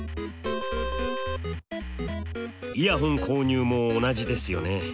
イヤホン購入も同じですよね。